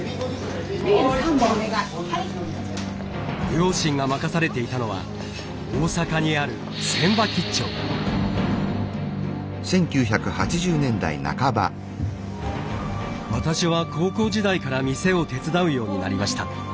両親が任されていたのは大阪にある私は高校時代から店を手伝うようになりました。